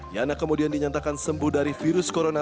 yana kemudian dinyatakan sembuh dari virus corona